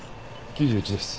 ９１です。